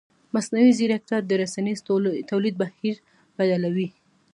مصنوعي ځیرکتیا د رسنیز تولید بهیر بدلوي.